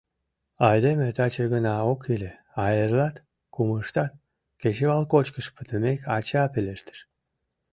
— Айдеме таче гына ок иле, а эрлат, кумыштат, — кечывал кочкыш пытымек, ача пелештыш.